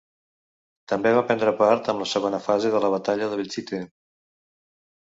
També va prendre part en la segona fase de la batalla de Belchite.